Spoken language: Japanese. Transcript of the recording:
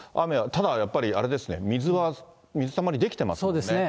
ただやっぱりあれですね、水は、水たまり出来てますね。